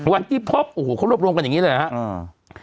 วันที่พบโอ้โหเขารวบรวมกันอย่างนี้เลยนะครับ